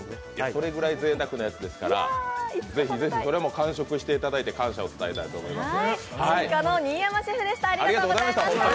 それぐらいぜいたくなやつですから、ぜひぜひ、これも完食していただいて感謝を伝えたいと思います。